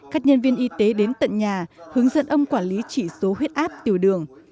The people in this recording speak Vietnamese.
các nhân viên y tế đến tận nhà hướng dẫn ông quản lý chỉ số huyết áp tiểu đường